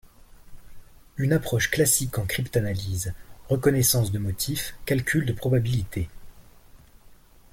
Une approche classique en cryptanalyse. Reconnaissance de motifs, calcul de probabilité.